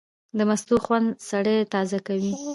د مستو خوند سړی تازه کوي.